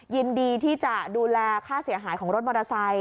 ยินดีที่จะดูแลค่าเสียหายของรถมอเตอร์ไซค